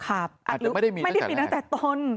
อาจจะไม่ได้มีตั้งแต่ต้น